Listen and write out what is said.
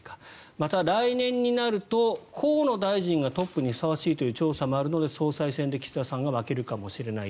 また、来年になると河野大臣がトップにふさわしいという調査もあるので総裁選で岸田さんが負けるかもしれない。